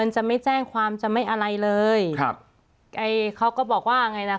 จะไม่แจ้งความจะไม่อะไรเลยครับไอ้เขาก็บอกว่าไงล่ะ